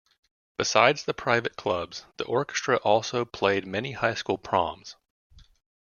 Besides the private clubs, the orchestra also played many high school proms.